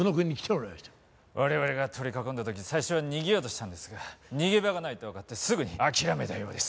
我々が取り囲んだ時最初は逃げようとしたんですが逃げ場がないとわかってすぐに諦めたようです。